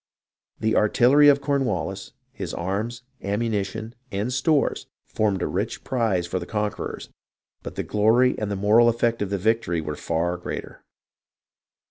The artillery of Cornwallis, his arms, ammunition, and stores, formed a rich prize for the conquerors ; but the glory and the moral effect of the victory were far greater.